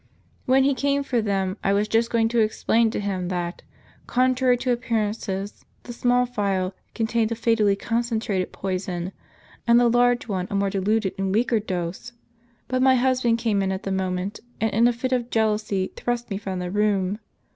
" When he came for them, I was just going to explain to him, that, contrary to appearances, the small phial contained a fatally concentrated poison, and the large one a more diluted and weaker dose. But my husband came in at the moment, and in a fit of jealousy thrust me from the room.